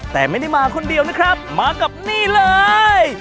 แต่ไม่ได้มาคนเดียวนะครับมากับนี่เลย